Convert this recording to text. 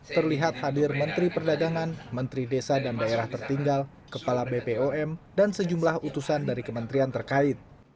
terlihat hadir menteri perdagangan menteri desa dan daerah tertinggal kepala bpom dan sejumlah utusan dari kementerian terkait